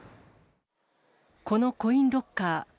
このコインロッカー。